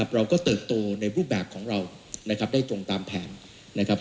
เราก็เติบโตในรูปแบบของเราได้ตรงตามแผน